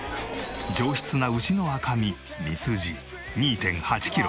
上質な牛の赤身ミスジ２．８キロ。